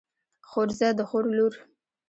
خورزه د خور لور.